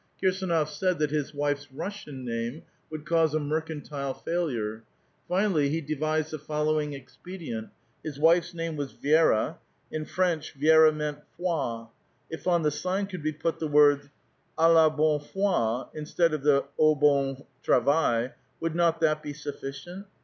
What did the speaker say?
Kirsdnof said that his wife's Russian name would cause a mercantile failure. Finally he devised the following expedient : His wife's name was Vi^ra ; in French Vi^ra means foi. If on the sign could be put the words A la Bonne Fof^ instead of Au Bon Travail^ would not that be sufficient?